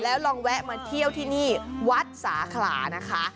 แล้วลองแวะมาเที่ยวที่นี่วัดสาขลานะคะ